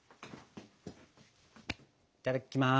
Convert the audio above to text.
いただきます。